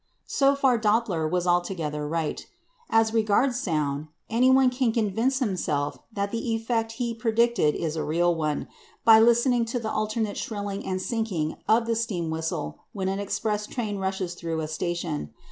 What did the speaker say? So far Doppler was altogether right. As regards sound, anyone can convince himself that the effect he predicted is a real one, by listening to the alternate shrilling and sinking of the steam whistle when an express train rushes through a station.